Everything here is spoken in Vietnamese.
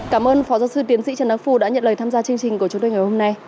cảm ơn phó giáo sư tiến sĩ trần đăng phu đã nhận lời tham gia chương trình của chúng tôi ngày hôm nay